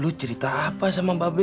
lu cerita apa sama mbak be